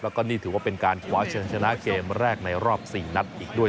แล้วก็นี่ถือว่าเป็นการคว้าเชิญชนะเกมแรกในรอบ๔นัดอีกด้วย